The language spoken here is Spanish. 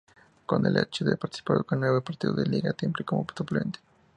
Con el Elche ha participado en nueve partidos de Liga, siempre como suplente.